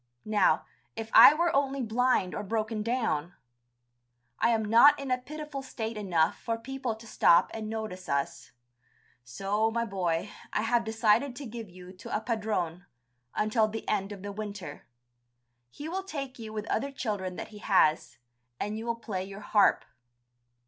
Now, if I were only blind or broken down! I am not in a pitiful state enough for people to stop and notice us. So, my boy, I have decided to give you to a padrone, until the end of the winter. He will take you with other children that he has, and you will play your harp...."